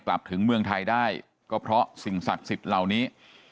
กลับถึงเมืองไทยได้ก็เพราะสิ่งศักดิ์สิทธิ์เหล่านี้